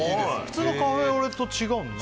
普通のカフェオレと違うの？